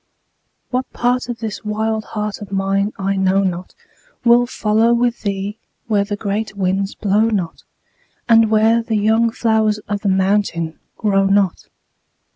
What part of this wild heart of mine I know not Will follow with thee where the great winds blow not, And where the young flowers of the mountain grow not.